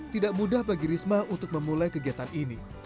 tidak mudah bagi risma untuk memulai kegiatan ini